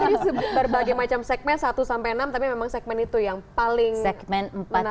tapi berbagai macam segmen satu sampai enam tapi memang segmen itu yang paling menarik